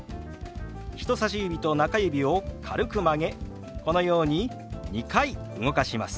人さし指と中指を軽く曲げこのように２回動かします。